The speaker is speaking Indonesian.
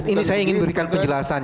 ini saya ingin berikan penjelasan